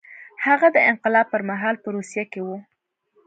هغه د انقلاب پر مهال په روسیه کې و.